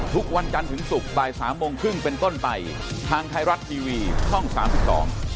ทางไทยรัฐทีวีห้องสามสิบต่อ